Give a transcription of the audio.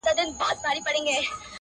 په څو چنده له قېمته د ټوكرانو،